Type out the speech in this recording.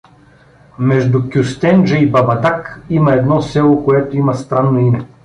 Между Кюстенджа и Бабадаг има едно село, което има странно име.